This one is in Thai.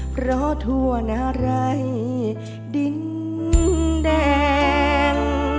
เพราะทั่วนารัยดินแดง